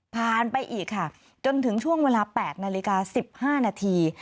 ไปอีกค่ะจนถึงช่วงเวลา๘นาฬิกา๑๕นาที